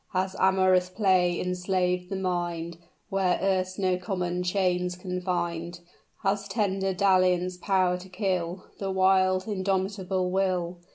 Has amorous play enslaved the mind Where erst no common chains confined? Has tender dalliance power to kill The wild, indomitable will?